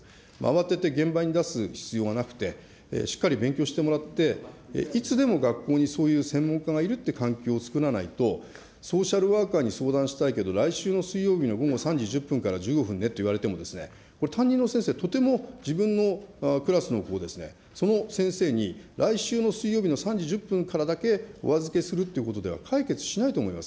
慌てて現場に出す必要がなくて、しっかり勉強してもらって、いつでも学校にそういう専門家がいるという環境を作らないと、ソーシャルワーカーに相談したいけど、来週の水曜日の午後３時１０分から１５分ねって言われても、これ、担任の先生、とても自分のクラスの子を、その先生に、来週の水曜日の３時１０分からだけお預けするということでは解決しないと思います。